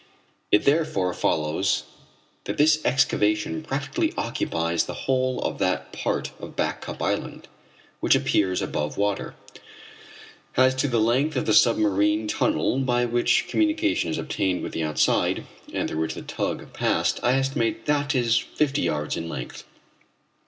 It therefore follows that this excavation practically occupies the whole of that part of Back Cup island which appears above water. As to the length of the submarine tunnel by which communication is obtained with the outside, and through which the tug passed, I estimate that it is fifty yards in length.